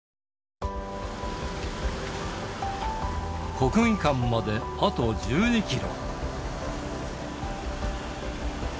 国技館まであと１２キロ。